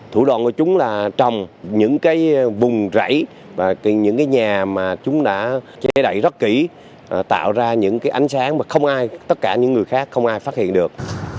thủ đoạn của chúng là trồng những cái vùng rẫy và những cái nhà mà chúng đã che đậy rất kỹ tạo ra những cái ánh sáng mà không ai tất cả những người khác không ai phát hiện được